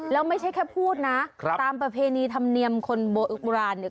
แล้วไม่ใช่แค่พูดนะตามประเพณีธรรมเนียมคนโบราณเนี่ย